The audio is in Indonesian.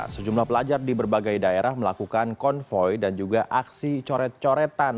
sejumlah pelajar di berbagai daerah melakukan konvoy dan juga aksi coret coretan